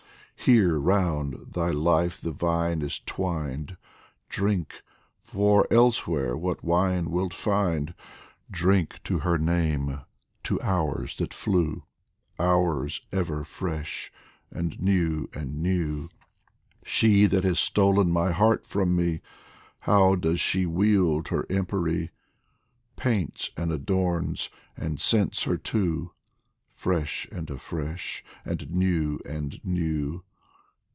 Here round thy life the vine is twined ; Drink ! for elsewhere Avhat wine wilt find ? Drink to her name, to hours that flew, Hours ever fresh and new and new ! She that has stolen my heart from me, How does she wield her empery ? Paints and adorns and scents her too, Fresh and afresh and new and new